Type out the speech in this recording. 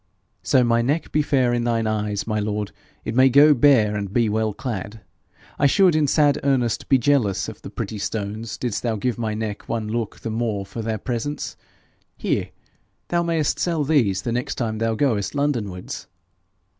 'So my neck be fair in thine eyes, my lord, it may go bare and be well clad. I should, in sad earnest, be jealous of the pretty stones didst thou give my neck one look the more for their presence. Here! thou may'st sell these the next time thou goest London wards.'